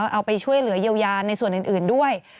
เอาไปช่วยเหลือเยียวยาในส่วนอื่นด้วย